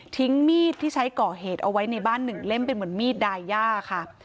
มีดที่ใช้ก่อเหตุเอาไว้ในบ้านหนึ่งเล่มเป็นเหมือนมีดดายย่าค่ะ